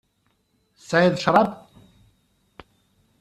Tesεiḍ ccrab?